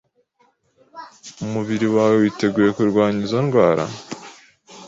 umubiri wawe witeguye kurwanya izo ndwara